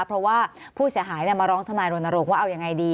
เพราะว่าผู้เสียหายมาร้องทนายรณรงค์ว่าเอายังไงดี